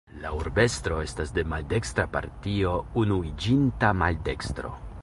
La urbestro estas de maldekstra partio Unuiĝinta Maldekstro.